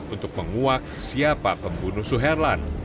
untuk menguak siapa pembunuh suherlan